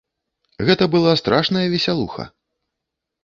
Гэта была страшная весялуха.